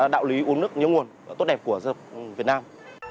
đạo lý uống nước như nguồn tốt đẹp của việt nam